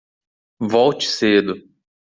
Volte cedo